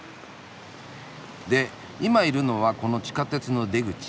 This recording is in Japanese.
で今いるのはこの地下鉄の出口。